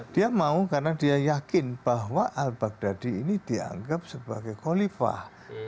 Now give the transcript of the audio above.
dia mau karena dia yakin bahwa al baghdadi ini dianggap sebagai khalifah